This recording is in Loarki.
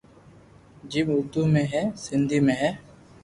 جيم اردو ۾ ھي سندھي ۾ ھي